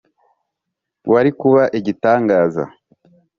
wari kuba igitangaza” .